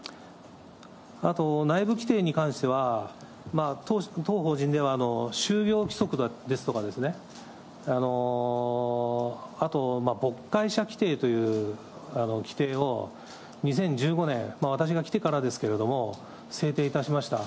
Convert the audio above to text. あと内部規定に関しては、当法人では、就業規則ですとか、あとぼっかいしゃ規定という規定を２０１５年、私が来てからですけれども、制定いたしました。